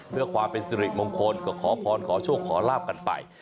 เพื่อความเป็นสิริมงคลก็ขอพรขอโชคขอลาบกันไป